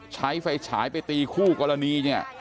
ใช้ไฟฉายไปตีคู่กรณี